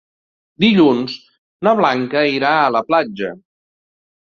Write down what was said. Dilluns na Blanca irà a la platja.